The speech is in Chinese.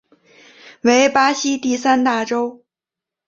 为巴西第三大州。